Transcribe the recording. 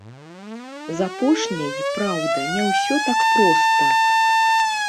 З апошняй, праўда, не ўсё так проста.